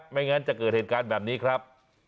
ไม่งั้นจะเกิดเหตุการณ์แบบนี้ครับ